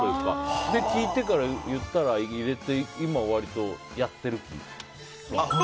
それを聞いてから言ったら入れて今は割とやってる。